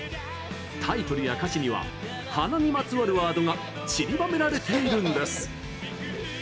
タイトルや歌詞には鼻にまつわるワードがちりばめられているんです。